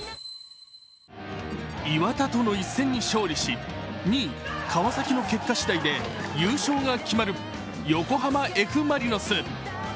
磐田との一戦に勝利し、２位・川崎の結果しだいで優勝が決まる横浜Ｆ・マリノス。